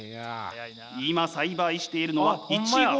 今栽培しているのはイチゴ。